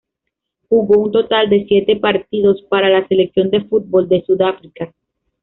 Jugó un total de siete partidos para la selección de fútbol de Sudáfrica.